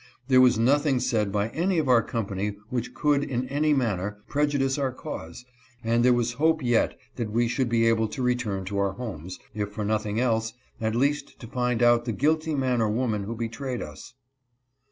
There was nothing said by any of our company which could, in any manner,, prejudice our cause, and there was hope yet that we should be able to return to our homes, if for nothing else, at least to find out the guilty man or woman who betrayed us.